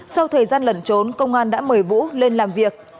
sau thời gian lẩn trốn công an đã mời vũ lên làm việc